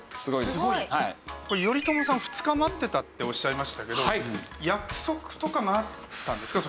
頼朝さん２日待ってたっておっしゃいましたけど約束とかがあったんですか？